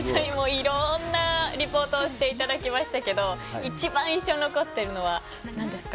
いろんなリポートをしていただきましたけど一番印象に残っているのは何ですか？